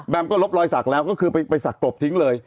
ก็ลบรอยสักแล้วก็คือไปสักกลบทิ้งเลย